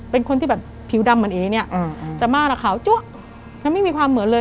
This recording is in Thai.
เป็นคนที่แบบผิวดำเหมือนเอเนี่ยแต่ม่านอ่ะขาวจั๊วแล้วไม่มีความเหมือนเลย